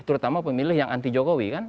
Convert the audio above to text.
terutama pemilih yang anti jokowi kan